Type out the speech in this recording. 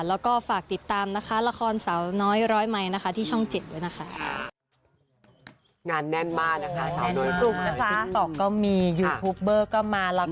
แล้วก็ฝากติดตามนะคะละครสาวน้อย๑๐๐ไมค์ที่ช่องเจ็ดด้วยนะคะ